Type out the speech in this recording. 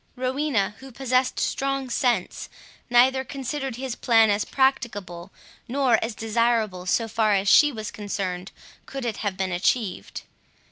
Rowena, who possessed strong sense, neither considered his plan as practicable, nor as desirable, so far as she was concerned, could it have been achieved.